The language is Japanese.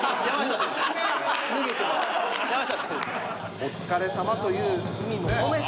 「お疲れさま」という意味も込めて